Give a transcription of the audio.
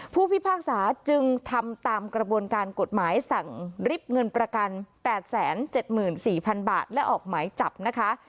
ผู้พิพากษาจึงทำตามกระบวนการกฎหมายสั่งริบเงินประกันแปดแสนเจ็ดหมื่นสี่พันบาทและออกหมายจับนะคะ